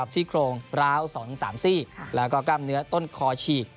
ซี่โครงร้าว๒๓ซี่แล้วก็กล้ามเนื้อต้นคอฉีก